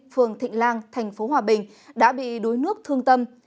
phường thịnh lan thành phố hòa bình đã bị đuối nước thương tâm